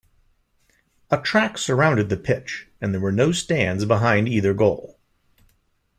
A track surrounded the pitch and there were no stands behind either goal.